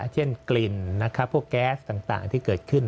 เช่นกลิ่นพวกแก๊สต่างที่เกิดขึ้น